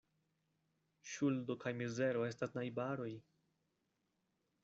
Ŝuldo kaj mizero estas najbaroj.